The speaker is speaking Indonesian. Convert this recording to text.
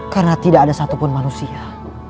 karena tidak ada satupun manusia